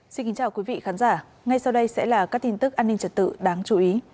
xin kính chào quý vị khán giả ngay sau đây sẽ là các tin tức an ninh trật tự đáng chú ý